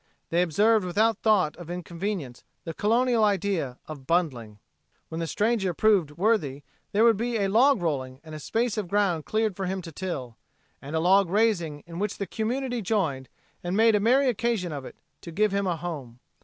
They observed without thought of inconvenience the Colonial idea of "bundling." When the stranger proved worthy there would be a log rolling and a space of ground cleared for him to till, and a log raising in which the community joined, and made a merry occasion of it, to give him a home.